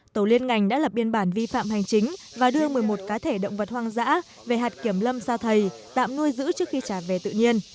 tổ liên ngành đã lập biên bản vi phạm hành chính và đưa một mươi một cá thể động vật hoang dã về hạt kiểm lâm sa thầy tạm nuôi giữ trước khi trả về tự nhiên